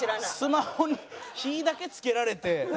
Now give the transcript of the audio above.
スマホに火だけ付けられて。